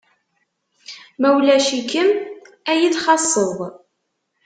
Ma ulac-ikem ad yi-txaṣṣeḍ.